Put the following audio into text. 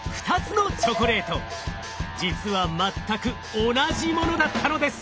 実は全く同じものだったのです。